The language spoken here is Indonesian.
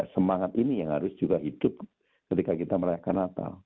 semangat ini yang harus juga hidup ketika kita merayakan natal